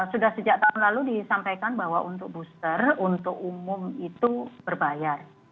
sudah sejak tahun lalu disampaikan bahwa untuk booster untuk umum itu berbayar